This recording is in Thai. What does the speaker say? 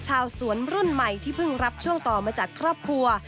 ชาวสวนรุ่นใหม่ที่เพิ่งรับช่วงต่อมาจากครอบครัว